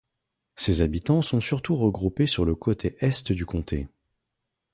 Ses habitants sont surtout regroupés sur le côté est du comté.